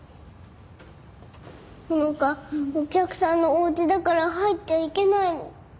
穂花お客さんのお家だから入っちゃいけないの。